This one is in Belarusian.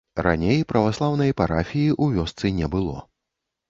Раней праваслаўнай парафіі ў вёсцы не было.